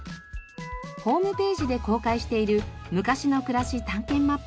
ホームページで公開している「昔のくらし」たんけん